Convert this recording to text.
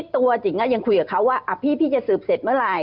ตัวจิ๋งยังคุยกับเขาว่าพี่จะสืบเสร็จเมื่อไหร